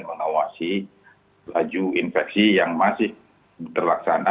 mengawasi laju infeksi yang masih terlaksana